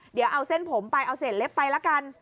เดี๋ยวเอาเส้นผมไปเอาเศษเล็บไปละกัน